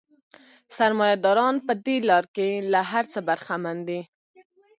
سرمایه داران په دې لار کې له هر څه برخمن دي